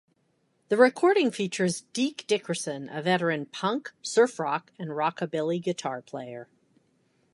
The recording features Deke Dickerson, a veteran punk, surf rock, and rockabilly guitar player.